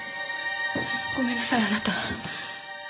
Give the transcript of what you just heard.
ごめんなさいあなた。